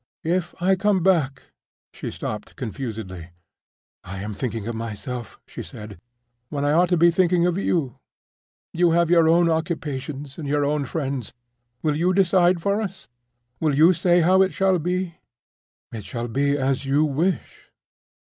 If I come back—" She stopped confusedly. "I am thinking of myself," she said, "when I ought to be thinking of you. You have your own occupations and your own friends. Will you decide for us? Will you say how it shall be?" "It shall be as you wish.